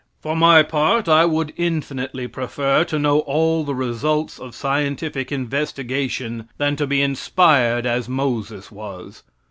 For my part, I would infinitely prefer to know all the results of scientific investigation than to be inspired as Moses was.